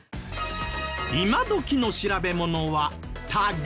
今どきの調べものは「タグる」。